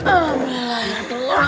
alhamdulillah ya tuhan